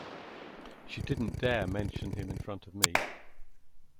She didn't dare mention him in front of me.